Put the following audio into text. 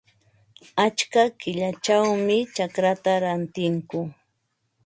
Achka qillayćhawmi chacraata rantikuu.